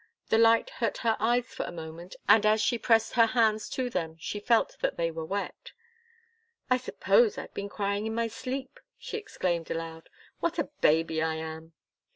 The light hurt her eyes for a moment, and as she pressed her hands to them she felt that they were wet. "I suppose I've been crying in my sleep!" she exclaimed aloud. "What a baby I am!"